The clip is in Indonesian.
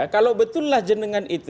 kalau betullah jenengan itu